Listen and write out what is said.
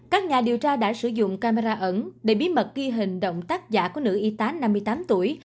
các nhà điều tra đã sử dụng camera ẩn để bí mật ghi hình động tác giả của nữ y tá năm mươi tám tuổi